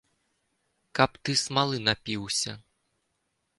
Каб ты смалы напіўся!